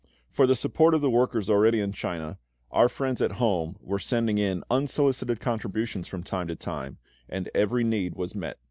For the support of the workers already in China, our friends at home were sending in unsolicited contributions from time to time, and every need was met.